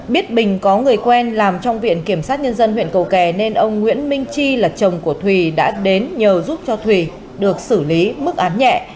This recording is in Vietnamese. biết bình có người quen làm trong viện kiểm sát nhân dân huyện cầu kè nên ông nguyễn minh chi là chồng của thùy đã đến nhờ giúp cho thùy được xử lý mức án nhẹ